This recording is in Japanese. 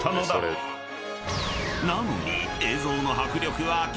［なのに］